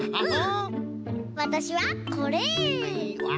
わたしはこれ！わ！